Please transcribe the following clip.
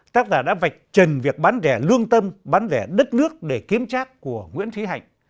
tác giả đã vạch trần việc bán rẻ lương tâm bán rẻ đất nước để kiếm trác của nguyễn thúy hạnh